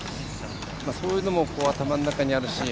そういうのも頭の中にあるし。